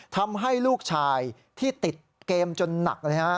ทำให้ลูกชายที่ติดเกมจนหนักเลยฮะ